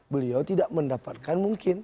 beliau tidak mendapatkan mungkin